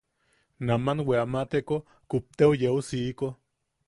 Naman weamateko kupteo, yeu siiko.